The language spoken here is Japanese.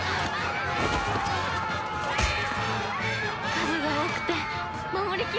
数が多くて守りきれない。